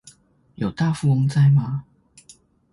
有大富翁在嗎